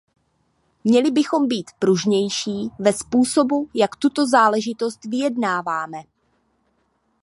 Měli bychom být pružnější ve způsobu, jak tuto záležitost vyjednáváme.